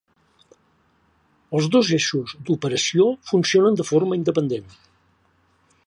Els dos eixos d'operació funcionen de forma independent.